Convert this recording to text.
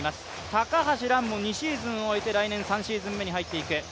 高橋藍も２シーズンを終えて来年３シーズン目に入っていく。